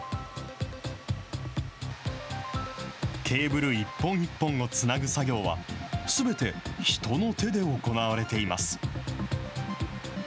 ケーブル一本一本をつなぐ作業は、すべて人の手で行われています。